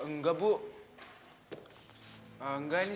enggak sudah saya enggak gede